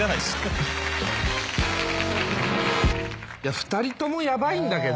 ２人ともヤバいんだけど。